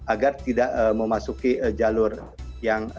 agar tidak memasuki jalur yang